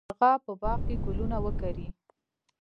هغه په باغ کې ګلونه وکري.